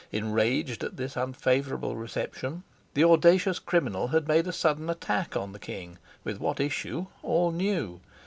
Enraged at this unfavorable reception, the audacious criminal had made a sudden attack on the king, with what issue all knew.